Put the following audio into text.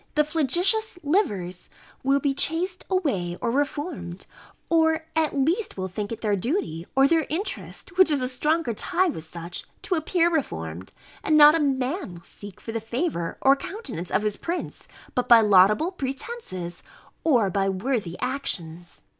The flagitious livers will be chased away, or reformed; or at least will think it their duty, or their interest, which is a stronger tie with such, to appear reformed; and not a man will seek for the favour or countenance of his prince, but by laudable pretences, or by worthy actions.